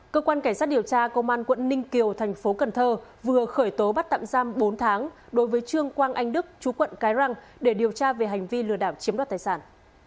cơ quan cảnh sát điều tra công an quận ninh kiều thành phố cần thơ vừa khởi tố bắt tạm giam bốn tháng đối với trương quang anh đức chú quận cái răng để điều tra về hành vi lừa đảo chiếm đoạt tài sản